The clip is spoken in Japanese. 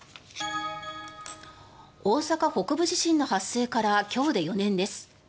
大阪北部地震の発生から今日で４年です。